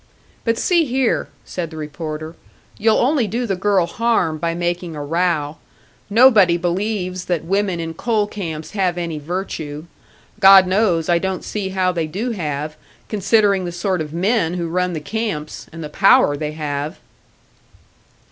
"But see here," said the reporter, "you'll only do the girl harm by making a row. Nobody believes that women in coal camps have any virtue. God knows, I don't see how they do have, considering the sort of men who run the camps, and the power they have."